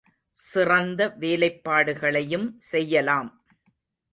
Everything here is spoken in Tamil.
சிறந்த வேலைப்பாடுகளையும் செய்யலாம்.